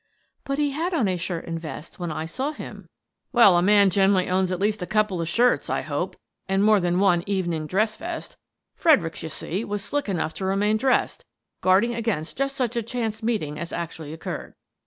"But he had on a shirt and vest when I saw him." u8 Miss Frances Baird, Detective === =====3 " Well, a man generally owns at least a couple of shirts, I hope, and more than one evening dress vest Fredericks, you see, was slick enough to re main dressed, guarding against just such a chance meeting as actually occurred."